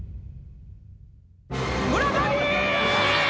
村上！